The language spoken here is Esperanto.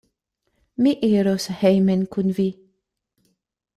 Mi iros hejmen kun vi.